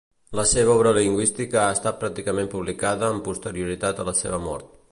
La seva obra lingüística ha estat pràcticament publicada amb posterioritat a la seva mort.